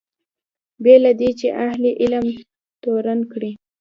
بې له دې چې اهل علم تورن کړي.